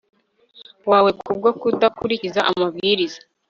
wawe kubwo kudakurikiza amabwiriza